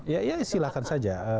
iya iya silahkan saja